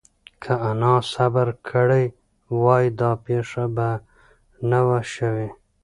که انا صبر کړی وای، دا پېښه به نه وه شوې.